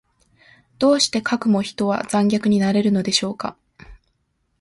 どうしてかくも人は残虐になれるのでしょうか。